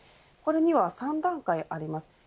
これには３段階あります。